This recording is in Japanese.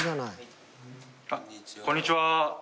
あっこんにちは。